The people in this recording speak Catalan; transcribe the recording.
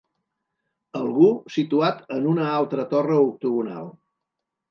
Algú situat en una altra torre octogonal